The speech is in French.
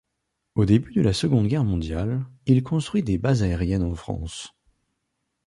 Au début de la Seconde Guerre mondiale, il construit des bases aériennes en France.